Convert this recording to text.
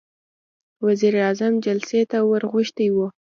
وزير اعظم جلسې ته ور غوښتی و.